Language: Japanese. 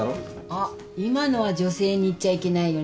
あっ今のは女性に言っちゃいけないよね。